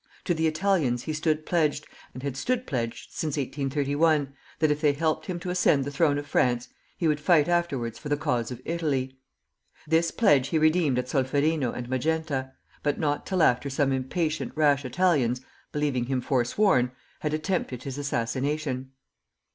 To the Italians he stood pledged, and had stood pledged since 1831, that if they helped him to ascend the throne of France, he would fight afterwards for the cause of Italy. This pledge he redeemed at Solferino and Magenta, but not till after some impatient, rash Italians (believing him forsworn) had attempted his assassination.